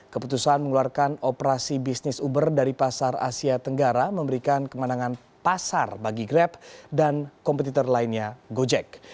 keputusan mengeluarkan operasi bisnis uber dari pasar asia tenggara memberikan kemenangan pasar bagi grab dan kompetitor lainnya gojek